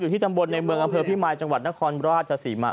อยู่ที่จำบนในเมืองอำเภอพี่มายจังหวัดนครราชสีมะ